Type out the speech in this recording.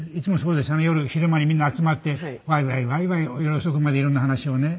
夜広間にみんな集まってわいわいわいわい夜遅くまでいろんな話をね。